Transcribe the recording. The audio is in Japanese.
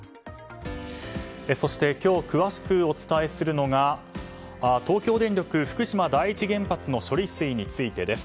そして今日、詳しくお伝えするのが東京電力福島第一原発の処理水について。